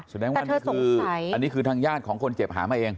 สุดแรกว่าอันนี้คือทางญาติของคนเจ็บหามาเอง